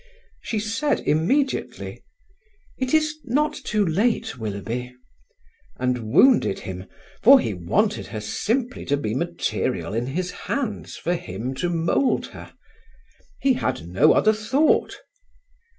She said immediately: "It is not too late, Willoughby," and wounded him, for he wanted her simply to be material in his hands for him to mould her; he had no other thought.